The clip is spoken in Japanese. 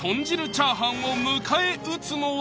チャーハンを迎え撃つのは